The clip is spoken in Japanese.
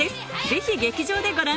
ぜひ劇場でご覧